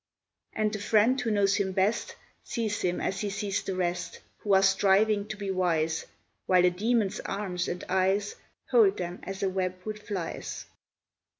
And the friend who knows him best Sees him as he sees the rest Who are striving to be wise While a Demon's arms and eyes Hold them as a web would flies.